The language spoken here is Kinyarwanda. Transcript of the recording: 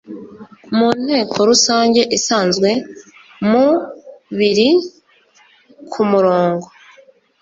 mu nteko rusange isanzwe mubiri ku murongo